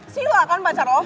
silahkan pacar lo